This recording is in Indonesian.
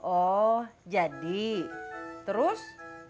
oh jadi terus